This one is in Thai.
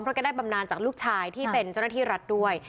เพราะแกได้บำนานจากลูกชายที่เป็นเจ้าหน้าที่รัฐด้วย